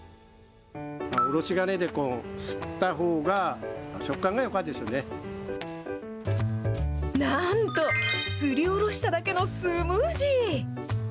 おろし金でこう、なんと、すりおろしただけのスムージー。